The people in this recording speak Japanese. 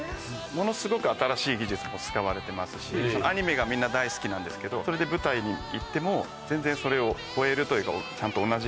ものすごく新しい技術も使われてますしアニメがみんな大好きなんですけどそれで舞台に行っても全然それを超えるというか。